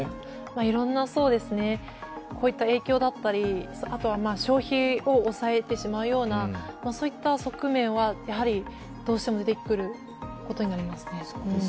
いろんなこういった影響だったり、消費を抑えてしまうような側面はやはりどうしても出てくることになりますね。